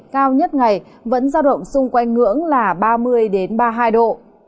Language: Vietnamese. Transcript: cao nhất ngày vẫn giao động xung quanh ngưỡng là ba mươi ba mươi hai độ